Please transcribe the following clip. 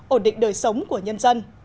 ổn định đời sống của nhân dân